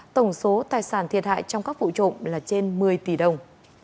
tổng số tài sản thiệt hại trong các vụ trộm là trên một mươi tỷ đồng